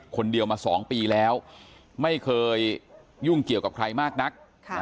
คนเดียวมา๒ปีแล้วไม่เคยยุ่งเกี่ยวกับใครมากนัก